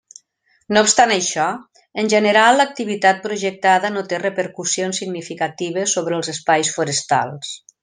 No obstant això, en general l'activitat projectada no té repercussions significatives sobre els espais forestals.